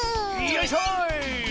よいしょ！